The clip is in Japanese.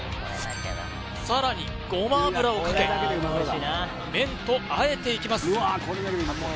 さらにごま油をかけ麺とあえていきます